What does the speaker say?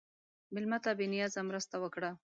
مېلمه ته بې نیازه مرسته وکړه.